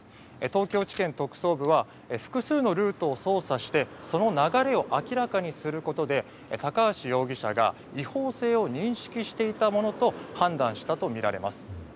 東京地検特捜部は複数のルートを捜査してその流れを明らかにすることで高橋容疑者が違法性を認識していたものと判断したとみられます。